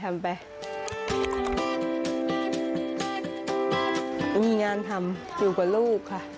ไม่มีงานทำอยู่กับลูกค่ะ